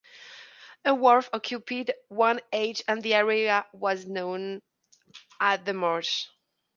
A wharf occupied one edge and the area was known as The Marsh.